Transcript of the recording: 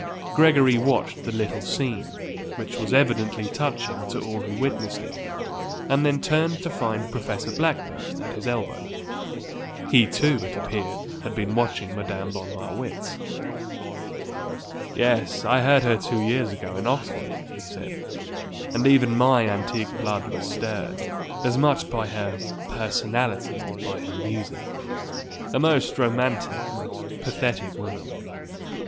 Gregory watched the little scene, which was evidently touching to all who witnessed it, and then turned to find Professor Blackburn at his elbow. He, too, it appeared, had been watching Madame von Marwitz. "Yes; I heard her two years ago in Oxford," he said; "and even my antique blood was stirred, as much by her personality as by her music. A most romantic, most pathetic woman.